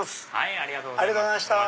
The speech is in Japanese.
ありがとうございます。